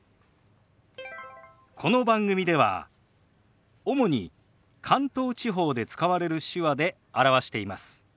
この番組では主に関東地方で使われる手話で表しています。